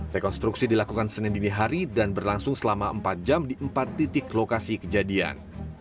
rekonstruksi dilakukan senin dini hari dan berlangsung selama empat jam di empat titik lokasi kejadian